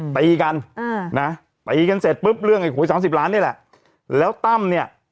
ตีกันอ่านะตีกันเสร็จปุ๊บเรื่องไอ้หวยสามสิบล้านนี่แหละแล้วตั้มเนี่ย